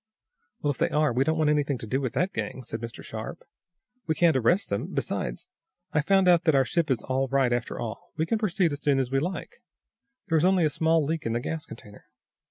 "Well, if they are, we don't want anything to do with that gang," said Mr. Sharp. "We can't arrest them. Besides I've found out that our ship is all right, after all. We can proceed as soon as we like. There is only a small leak in the gas container.